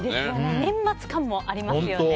年末感もありますよね。